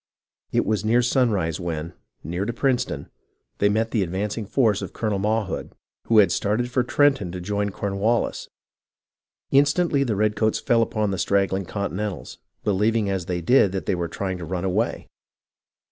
It was sunrise when, near to Princeton, they met the advancing force of Colonel Mawhood, who had started for Trenton to join Cornwallis. Instantly the redcoats fell upon the straggling Continentals, believing as they did that they were trying to run away.